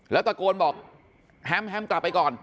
แล้วตะโกนบอกแฮมแฮมกลับไปก่อน